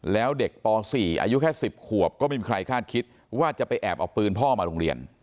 แล้วเด็กป๔อายุแค่๑๐ขวบก็ไม่มีใครคาดคิดว่าจะไปแอบเอาปืนพ่อมาโรงเรียน